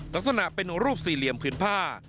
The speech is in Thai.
ลักษณะเป็นรูปสี่เหลี่ยมพื้นผ้า